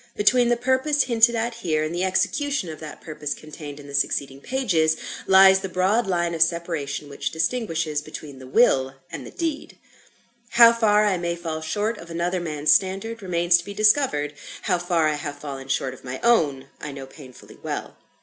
Between the purpose hinted at here, and the execution of that purpose contained in the succeeding pages, lies the broad line of separation which distinguishes between the will and the deed. How far I may fall short of another man's standard, remains to be discovered. How far I have fallen short of my own, I know painfully well.